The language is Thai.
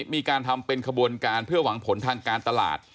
มีการทำเป็นขบวนการเพื่อหวังผลทางการตลาด